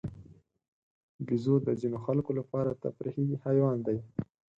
بیزو د ځینو خلکو لپاره تفریحي حیوان دی.